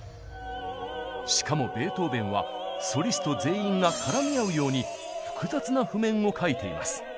しかもベートーベンはソリスト全員が絡み合うように複雑な譜面を書いています。